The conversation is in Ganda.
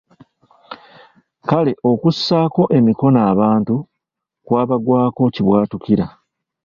Kale okussaako emikono abantu kwabagwako “kibwatukira”.